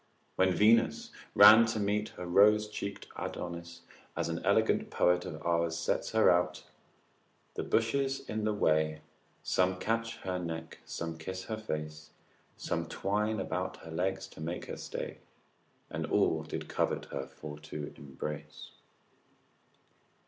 When Venus ran to meet her rose cheeked Adonis, as an elegant poet of our's sets her out, ———the bushes in the way Some catch her neck, some kiss her face, Some twine about her legs to make her stay, And all did covet her for to embrace.